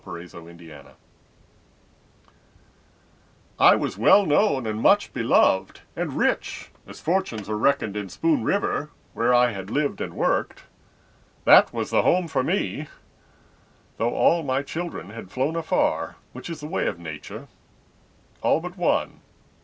Josiah Tompkins I was well known and much beloved And rich, as fortunes are reckoned In Spoon River, where I had lived and worked. That was the home for me, Though all my children had flown afar— Which is the way of Nature—all but one.